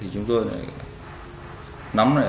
chúng tôi đã nắm rất ít